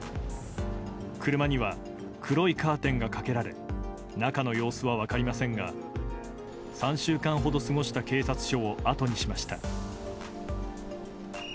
車には黒いカーテンがかけられ中の様子は分かりませんが３週間ほど過ごした警察署を後にしました。